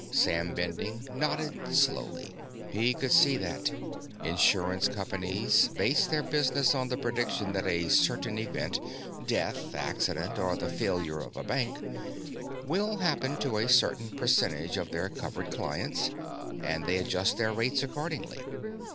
Sam Bending nodded slowly. He could see that. Insurance companies base their business on the prediction that a certain event death, accident, or the failure of a bank will happen to a certain percentage of their covered clients, and they adjust their rates accordingly.